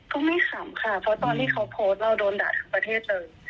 ไม่ขำค่ะเพราะตอนที่เขาโพสต์เราโดนด่าทั้งประเทศเลย